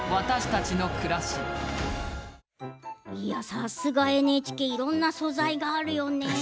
さすがＮＨＫいろんな素材があるよね。